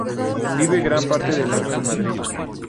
Vive gran parte del año en Madrid.